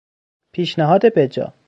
پیشنهاد بجا